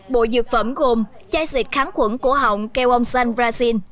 bộ dược phẩm gồm chai xịt kháng khuẩn cổ họng keo ông san brasin